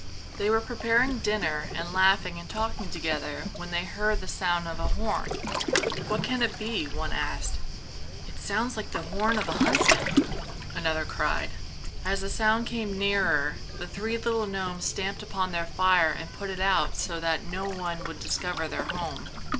They were preparing dinner and laughing and talking together when they heard the sound of a horn. "What can it be?" one asked. "It sounds like the horn of a huntsman!" another cried. As the sound came nearer, the three little gnomes stamped upon their fire and put it out so that no one would discover their home.